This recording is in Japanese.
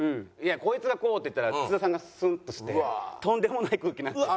「こいつがこう」って言ったら津田さんがスンッとしてとんでもない空気になって。